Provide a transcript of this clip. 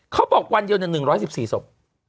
เขาบอกวันเดียว๑๑๔ศพ